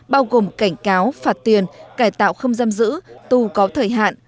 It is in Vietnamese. bao gồm cảnh cáo phạt tiền cải tạo không giam giữ tù có thời hạn